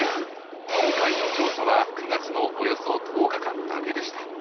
今回の調査は９月のおよそ１０日間だけでした。